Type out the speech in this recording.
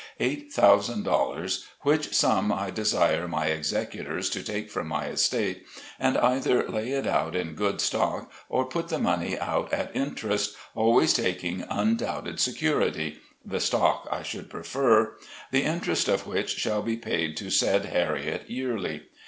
Eight Thousand Dollars, which sum I desire my Executors to take from my estate, and either lay it out in good stock, or put the money out at interest, always taking undoubted security — the stock I should prefer — the interest of which shall be paid to said Harriet yearly.